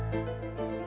nih ini udah gampang